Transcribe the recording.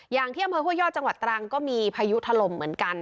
อย่างเมืองค่อยยอดจังหวัดตรังก็มีพายุถล่มเหมือนกัน